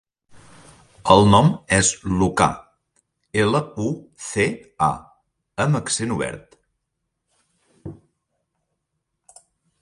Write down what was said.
El nom és Lucà: ela, u, ce, a amb accent obert.